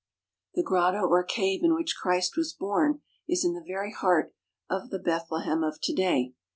The grotto or cave in which Christ was born is in the very heart of the Bethlehem of to day.